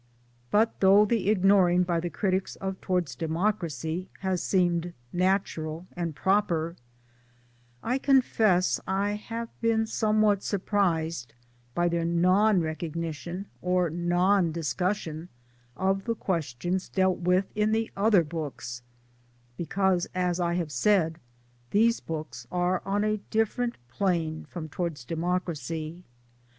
But though the ignoring by the critics of Towards Democracy has seemed natural and proper, I con fess I have been somewhat surprised by their non recognition or non discussion of the questions dealt with in the other books ; because, as I have said these books are on a different plane from Towards Democracy.